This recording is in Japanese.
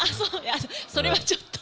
それはちょっと。